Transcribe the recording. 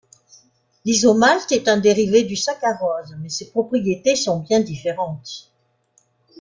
L'isomalt est un dérivé du saccharose, mais ses propriétés sont bien différentes.